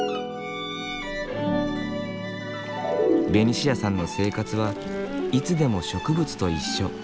ベニシアさんの生活はいつでも植物と一緒。